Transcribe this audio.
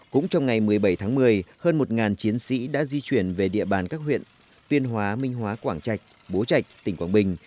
cũng trong ngày một mươi bảy tháng một mươi hơn một chiến sĩ đã di chuyển về địa bàn các huyện tuyên hóa minh hóa quảng trạch bố trạch tỉnh quảng bình